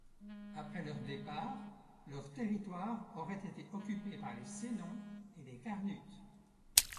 Après leur départ leur territoire aurait été occupé par les Sénons et les Carnutes.